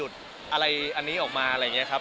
ลุดอะไรอันนี้อะไรนี้ครับ